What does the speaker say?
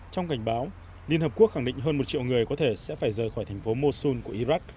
trong cảnh báo liên hợp quốc khẳng định hơn một triệu người có thể sẽ phải rời khỏi thành phố mosun của iraq